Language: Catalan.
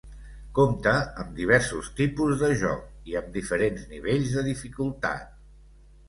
Compta amb diversos tipus de joc i amb diferents nivells de dificultat.